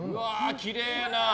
きれいな。